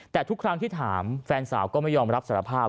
แต่ทุกครั้งที่ถามแฟนสาวก็ไม่ยอมรับสารภาพ